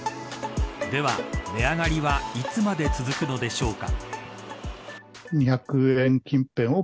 では、値上がりはいつまで続くのでしょうか。